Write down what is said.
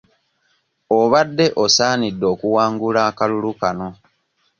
Obadde osaanidde okuwangula akalulu kano.